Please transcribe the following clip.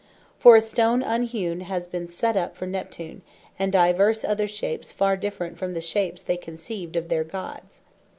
For a Stone unhewn has been set up for Neptune, and divers other shapes far different from the shapes they conceived of their Gods.